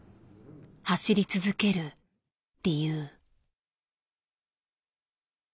走り続ける理由。